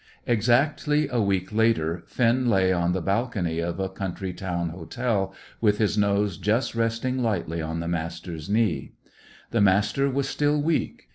Exactly a week later, Finn lay on the balcony of a country town hotel, with his nose just resting lightly on the Master's knee. The Master was still weak.